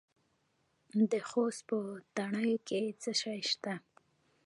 د خوست په تڼیو کې څه شی شته؟